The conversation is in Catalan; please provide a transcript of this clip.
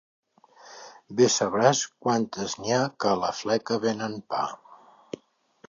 Bé sabràs quantes n'hi ha que a la fleca venen pa.